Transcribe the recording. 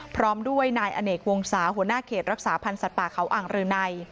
พร้อมด้วยนายอเนกวงศาหัวหน้าเขตรักษาพันธ์สัตว์ป่าเขาอ่างรืนัย